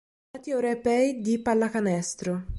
Campionati europei di pallacanestro